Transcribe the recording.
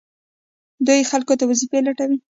دوی خلکو ته وظیفې لټوي.